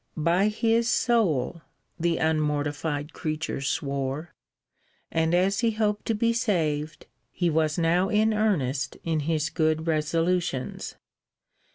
By his soul, (the unmortified creature swore,) and as he hoped to be saved, he was now in earnest in his good resolutions.